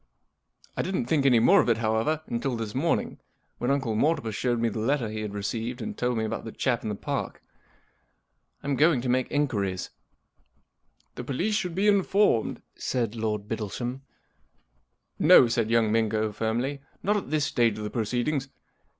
I didn't think any more of it, however, until this morning, when Uncle Mortimer showed me the letter he had received and told me about the chap in the Park. I'm going to make inquiries." 44 The police should be informed," said Lord Bittlesham*. 44 No," said young Bingo, firmly, 4 * not at this stage of the proceedings.